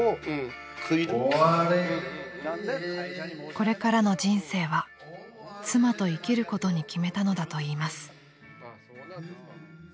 ［これからの人生は妻と生きることに決めたのだといいます］